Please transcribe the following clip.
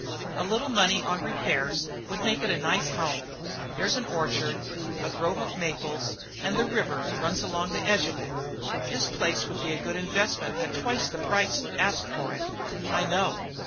A little money on repairs would make it a nice home. There's an orchard, a grove of maples, and the river runs along the edge of it. This place would be a good investment at twice the price asked for it. I know.